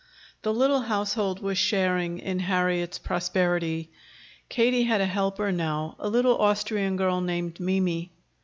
The little household was sharing in Harriet's prosperity. Katie had a helper now, a little Austrian girl named Mimi.